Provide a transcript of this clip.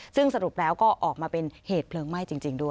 ซึ่งสรุปแล้วก็ออกมาเป็นเหตุเพลิงไหม้จริงด้วย